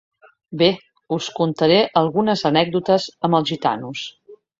Bé, us contaré algunes anècdotes amb els gitanos.